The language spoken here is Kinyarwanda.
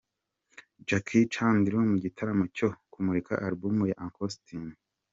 Jackie Chandiru mu gitaramo cyo kumurika alubumu ya Uncle Austin.